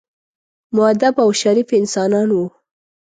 مودب او شریف انسانان وو.